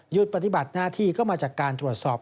ปฏิบัติหน้าที่ก็มาจากการตรวจสอบ